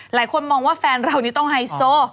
หลายคนมองว่าแฟนเรานี่ต้องไฮโซ